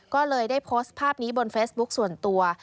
ก็เลยได้โพสต์ภาพนี้บนเฟซบุ๊คส่วนตัว